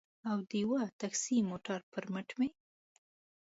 او د یوه ټکسي موټر پر مټ مې.